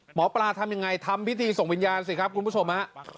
หมอปลาทำยังไงทำพิธีส่งวิญญาณสิครับคุณผู้ชมฮะ